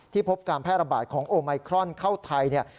พบการแพร่ระบาดของโอไมครอนเข้าไทยเนี่ย